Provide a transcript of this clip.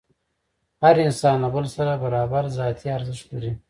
هر انسان له بل سره برابر ذاتي ارزښت لري.